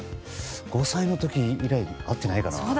５歳の時以来会っていないかな。